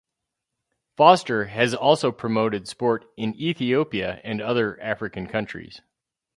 Foster has also promoted sport in Ethiopia and other African countries.